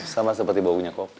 sama seperti baunya kopi